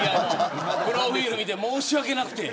プロフィルを見て申し訳なくて。